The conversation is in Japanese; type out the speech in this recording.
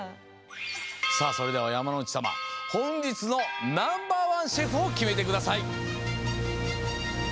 さあそれでは山之内さまほんじつのナンバーワンシェフをきめてください。